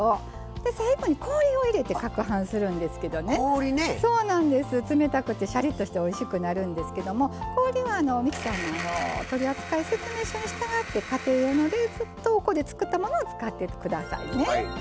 最後に氷を入れてかくはんするんですけど冷たくてしゃりっとしておいしくなるんですけど氷はミキサーの取扱説明書に従って家庭用の冷凍庫で作ったものを使ってくださいね。